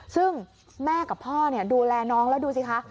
ซึ่งแม่กับพ่อดูแลน้องแล้วดูสิคะ